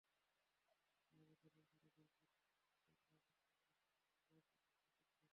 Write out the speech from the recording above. মালগুদাম সড়কের গেইটপাড় এলাকার ইজিবাইকস্ট্যান্ড মোড় অংশে ছোট-বড় অসংখ্য গর্তের সৃষ্টি হয়েছে।